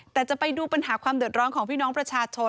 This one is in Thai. แต่จะไปดูปัญหาความเดือดร้อนของพี่น้องประชาชน